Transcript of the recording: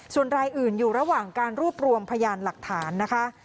ส่วนรายอื่นอยู่ระหว่างการรวบรวมพยานหลักฐานนะคะ